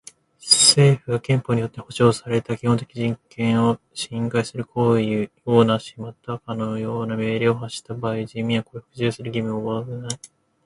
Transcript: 政府が憲法によって保障された基本的人権を侵害する行為をなし、またかような命令を発した場合は人民はこれに服従する義務を負わない。